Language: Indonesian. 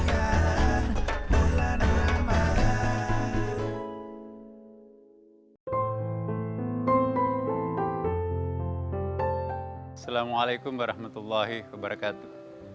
assalamualaikum warahmatullahi wabarakatuh